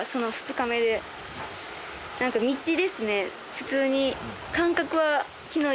普通に。